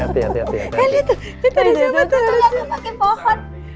iya ini adalah kejadianku